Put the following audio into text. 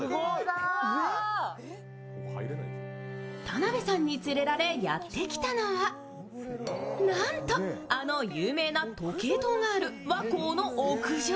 田辺さんに連れられやってきたのは、なんと、あの有名な時計塔がある和光の屋上。